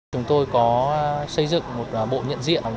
chúng tôi có xây dựng một bộ nhận diện